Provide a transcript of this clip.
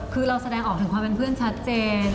คือเราแสดงออกถึงความเป็นเพื่อนชัดเจน